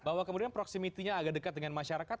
bahwa kemudian proximity nya agak dekat dengan masyarakat